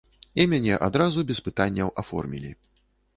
І мяне адразу без пытанняў аформілі.